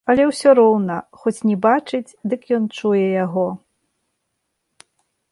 Але ўсё роўна, хоць не бачыць, дык ён чуе яго.